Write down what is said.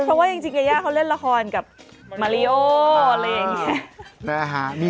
เพราะว่าจริงยายาเขาเล่นละครกับมาริโออะไรอย่างนี้